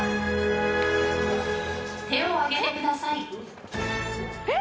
手を挙げてください。